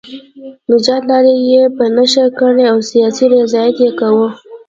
د نجات لارې یې په نښه کړې او سیاسي ریاضت یې کاوه.